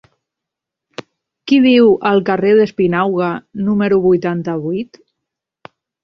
Qui viu al carrer d'Espinauga número vuitanta-vuit?